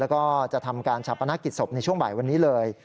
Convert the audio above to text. แล้วก็จะทำการชาปนกิจศพในช่วงบ่ายวันนี้เลย